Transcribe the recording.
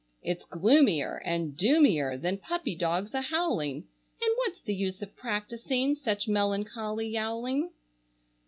It's gloomier and doomier than puppy dogs a howling, And what's the use of practising such melancholy yowling?